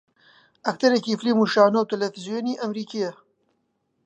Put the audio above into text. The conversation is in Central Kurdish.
ئەکتەرێکی فیلم و شانۆ و تەلەڤیزیۆنی ئەمریکییە